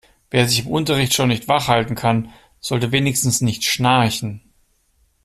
Wer sich im Unterricht schon nicht wach halten kann, sollte wenigstens nicht schnarchen.